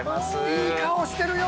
いい顔してるよ！